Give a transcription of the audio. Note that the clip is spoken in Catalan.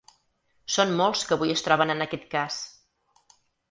Són molts que avui es troben en aquest cas.